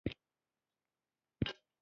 د علم هڅه هېڅکله بې ګټې نه ده.